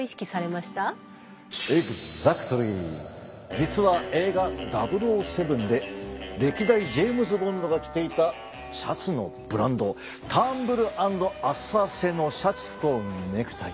実は映画「００７」で歴代ジェームズ・ボンドが着ていたシャツのブランドターンブル＆アッサー製のシャツとネクタイ。